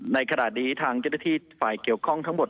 ในขณะนี้ทางเจ้าหน้าที่ฝ่ายเกี่ยวข้องทั้งหมด